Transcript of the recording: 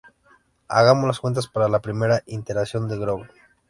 Hagamos las cuentas para la primera iteración de Grover.